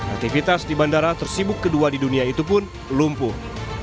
aktivitas di bandara tersibuk kedua di dunia itu pun lumpuh